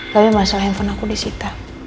tapi masalah handphone aku disita